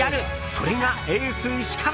それがエース石川。